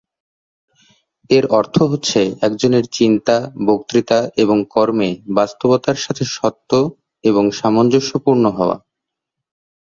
এর অর্থ হচ্ছে একজনের চিন্তা, বক্তৃতা এবং কর্মে বাস্তবতার সাথে সত্য এবং সামঞ্জস্যপূর্ণ হওয়া।